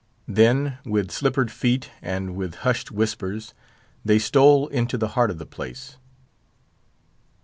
Then, with slippered feet and with hushed whispers, they stole into the heart of the place.